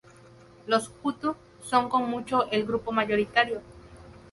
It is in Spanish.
Los hutu son con mucho el grupo mayoritario.